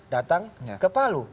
datang ke palu